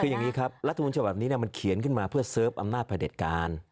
คืออย่างนี้ครับรัฐมนต์ฉบับนี้มันเขียนขึ้นมาเพื่อเสิร์ฟอำนาจประเด็จการ